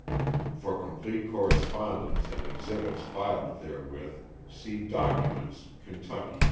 For complete correspondence and exhibits filed therewith, see Documents (Ky.)